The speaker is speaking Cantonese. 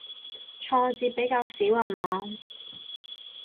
挫折比較少下嘛